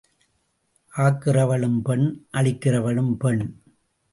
ஆக்குகிறவளும் பெண் அழிக்கிறவளும் பெண்.